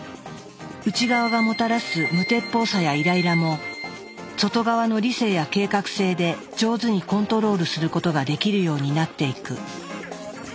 内側がもたらす無鉄砲さやイライラも外側の理性や計画性で上手にコントロールすることができるようになっていく。